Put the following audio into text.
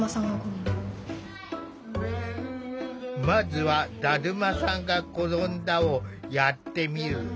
まずは「だるまさんがころんだ」をやってみる。